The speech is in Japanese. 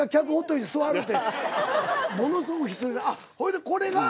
あっほいでこれが。